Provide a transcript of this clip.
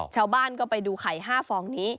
ชาวบ้านก็ไปดูไข่๕ฟองนี้